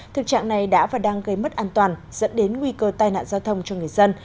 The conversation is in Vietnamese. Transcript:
thực trạng này đã và đang gây mất an toàn dẫn đến nguy cơ tai nạn giao thông cho người dân